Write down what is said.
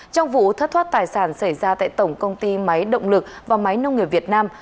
trong vụ thất thoát tài sản xảy ra tại tổng công ty máy động lực và máy nông nghiệp việt nam